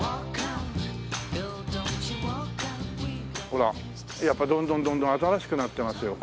ほらやっぱりどんどんどんどん新しくなってますよ